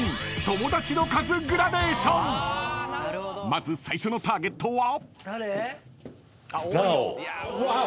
［まず最初のターゲットは］